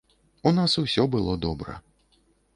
У нас усё было добра.